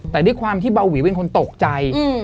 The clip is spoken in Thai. แต่ด้วยความที่เบาหวีเป็นคนตกใจ